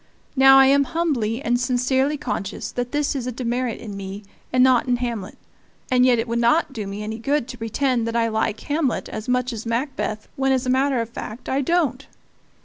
Now I am humbly and sincerely conscious that this is a demerit in me and not in Hamlet; and yet it would not do me any good to pretend that I like Hamlet as much as Macbeth when, as a matter of fact, I don't.